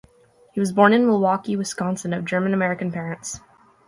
He was born in Milwaukee, Wisconsin of German-American parents.